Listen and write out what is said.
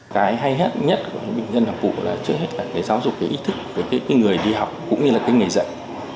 cái hay hết nhất của bình dân học vụ là trước hết là cái giáo dục cái ý thức cái người đi học cũng như là cái người dạy